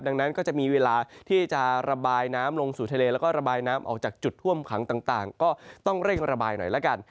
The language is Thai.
ดังนั้นก็จะมีเวลาที่จะระบายน้ำลงสู่ทะเลแล้วก็ระบายน้ำออกจากจุดท่วมขังต่างก็ต้องเร่งระบายหน่อยละกัน